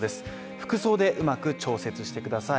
服装でうまく調節してください。